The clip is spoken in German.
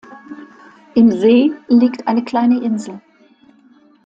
Im See liegt eine kleine Insel.